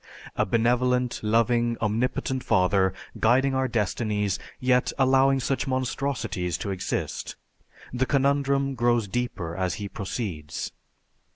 A benevolent, loving, omnipotent father, guiding our destinies, yet allowing such monstrosities to exist! The conundrum grows deeper as he proceeds.